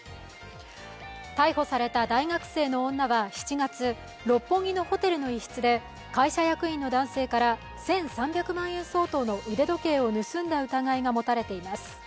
逮捕された大学生の女は７月六本木のホテルの一室で、会社役員の男性から１３００万円相当の腕時計を盗んだ疑いが持たれています。